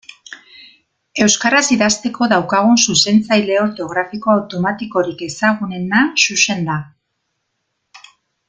Euskaraz idazteko daukagun zuzentzaile ortografiko automatikorik ezagunena Xuxen da.